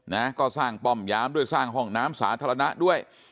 นะก็สร้างป้อมยามด้วยสร้างห้องน้ำสาธารณะด้วย